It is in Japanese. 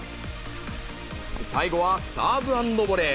最後はサーブアンドボレー。